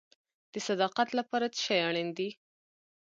د صداقت لپاره څه شی اړین دی؟